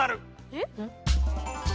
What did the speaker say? えっ？